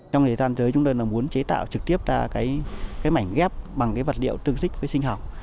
trong đề toàn giới chúng tôi muốn chế tạo trực tiếp ra mảnh ghép bằng vật liệu tương tích với sinh học